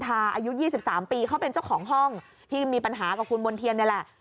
อายุ๒๓ปีเขาเป็นเจ้าของห้องที่มีปัญหากับคุณมณ์เทียนนี่แหละ